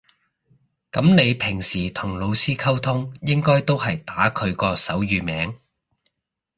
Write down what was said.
噉你平時同老師溝通應該都係打佢個手語名